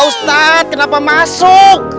ustadz kenapa masuk